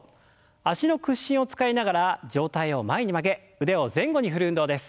脚の屈伸を使いながら上体を前に曲げ腕を前後に振る運動です。